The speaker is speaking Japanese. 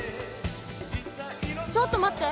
ちょっと待って！